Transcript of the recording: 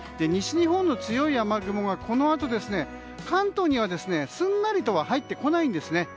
西日本の強い雨雲が、このあと関東にはすんなりとは入ってこないんです。